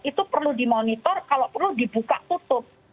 itu perlu dimonitor kalau perlu dibuka tutup